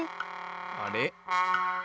あれ？